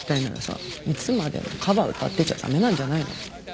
いつまでもカバー歌ってちゃ駄目なんじゃないの？